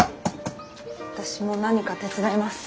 私も何か手伝います。